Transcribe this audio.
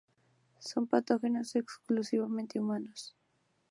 Son patógenos exclusivamente humanos.